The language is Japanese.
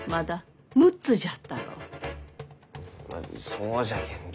んそうじゃけんど。